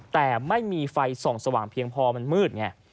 แต่ไม่มีไฟส่องสว่างเพียงพอมันมืดไง